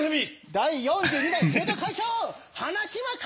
第４２代生徒会長花島楓。